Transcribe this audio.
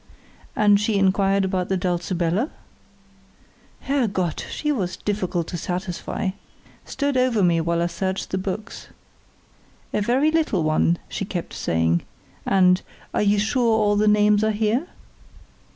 "And she inquired about the Dulcibella?" "Herrgott! she was difficult to satisfy! Stood over me while I searched the books. 'A very little one,' she kept saying, and 'Are you sure all the names are here?